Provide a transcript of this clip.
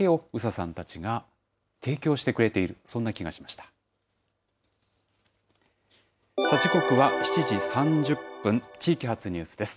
さあ、時刻は７時３０分、地域発ニュースです。